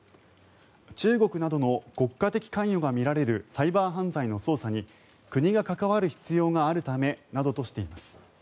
中国などの国家的関与がみられるサイバー犯罪の捜査に国が関わる必要があるためなどとしています。